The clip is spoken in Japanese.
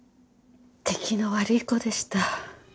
出来の悪い子でした。